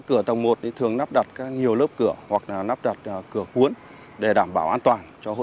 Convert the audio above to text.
cửa tầng một thì thường lắp đặt các nhiều lớp cửa hoặc là nắp đặt cửa cuốn để đảm bảo an toàn cho hộ